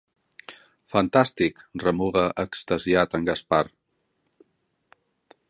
Fantàstic —remuga extasiat en Gaspar.